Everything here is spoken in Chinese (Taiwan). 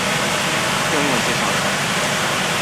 用英文介紹一下